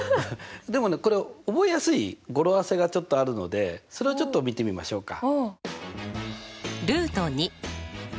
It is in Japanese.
でもねこれ覚えやすい語呂合わせがちょっとあるのでそれをちょっと見てみましょうか。